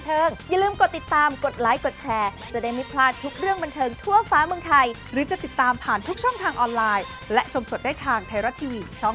เอามาเที่ยวกันได้นะจ๊ะบรรยากาศน่ารักที่เดียว